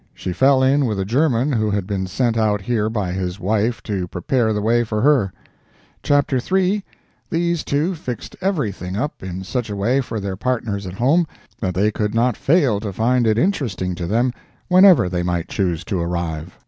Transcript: She fell in with a German who had been sent out here by his wife to prepare the way for her. Chapter III.—These two fixed everything up in such a way for their partners at home, that they could not fail to find it interesting to them whenever they might choose to arrive.